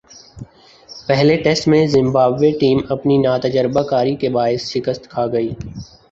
پہلے ٹیسٹ میں Zimbabwe team اپنی ناتجربہ کاری کے باعث شکست کھاگئی